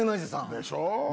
でしょ？